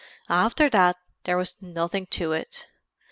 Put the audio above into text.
After that there was nothing to it.